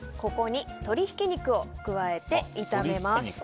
ここに鶏ひき肉を加えて炒めます。